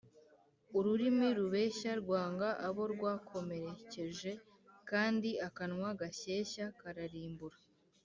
ururimi rubeshya rwanga abo rwakomerekeje, kandi akanwa gashyeshya kararimbura